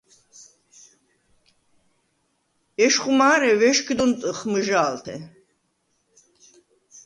ეშხუ მა̄რე ვეშგდ ონტჷხ მჷჟა̄ლთე.